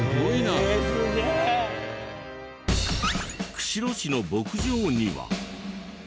釧路市の牧場には。